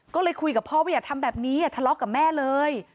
ก็เลยคุยกับพ่อว่าอย่าทำแบบนี้อย่าทะเลาะกับแม่เลย